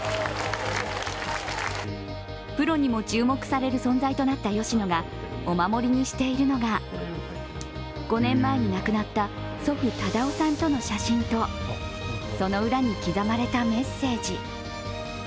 プロにも注目される存在となった吉野がお守りにしているのが、５年前に亡くなった祖父・忠雄さんとの写真とその裏に刻まれたメッセージ。